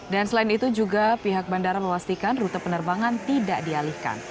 dan selain itu juga pihak bandara mewastikan rute penerbangan tidak dialihkan